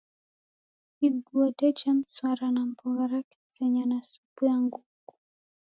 Iguo deja mswara na mbogha ra kizenya na supu ya nguku.